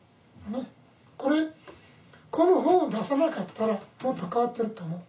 これこの本を出さなかったらもっと変わってると思う。